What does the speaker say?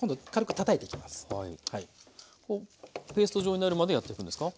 ペースト状になるまでやっていくんですか？